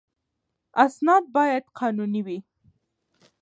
اسناد باید قانوني وي.